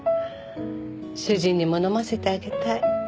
主人にも飲ませてあげたい。